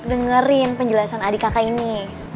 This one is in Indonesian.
dengerin penjelasan adik kakak ini